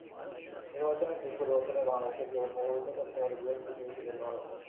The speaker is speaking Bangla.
নির্বাচনের দিক পরিবর্তনে বাংলাদেশকে কেবল প্রভাবিত করতে পারে বৃহত্ প্রতিবেশী দেশ ভারত।